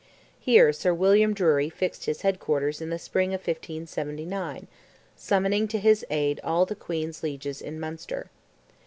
Here Sir William Drury fixed his head quarters in the spring of 1579, summoning to his aid all the Queen's lieges in Munster.